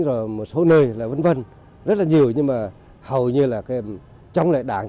rồi một số nơi là vân vân rất là nhiều nhưng mà hầu như là cái trong loại đảng